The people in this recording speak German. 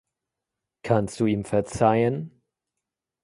Kannst du ihm verzeihen?